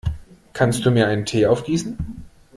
Kannst du mir einen Tee aufgießen?